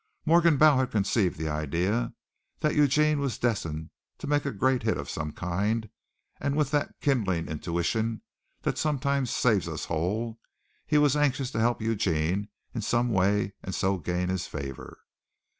Morgenbau had conceived the idea that Eugene was destined to make a great hit of some kind and with that kindling intuition that sometimes saves us whole he was anxious to help Eugene in some way and so gain his favor.